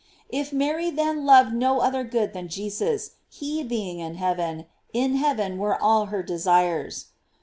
If Mary then loved no other good than Jesus, he be ingin heaven, in heaven were all her desires.